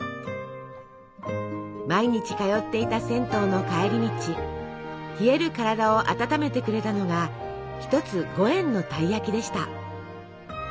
毎日通っていた銭湯の帰り道冷える体を温めてくれたのが１つ５円のたい焼きでした。